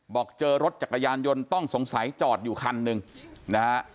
บอกเจอรถจักรยานยนต์ต้องสงสัยจอดอยู่คันหนึ่งนะฮะ